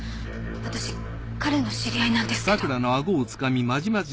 私彼の知り合いなんですけど。